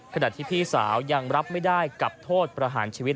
ขณะที่พี่สาวยังรับไม่ได้กับโทษประหารชีวิต